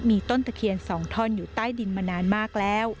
มีต้นตะเคียน๒ท่อนอยู่ใต้ดินมานานมากแล้ว